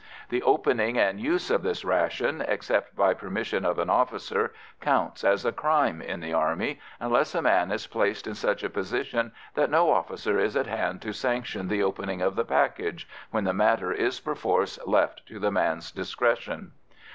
The opening and use of this ration, except by permission of an officer, counts as a crime in the Army, unless a man is placed in such a position that no officer is at hand to sanction the opening of the package, when the matter is perforce left to the man's discretion.